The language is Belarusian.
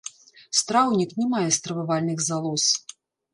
Страўнік не мае стрававальных залоз.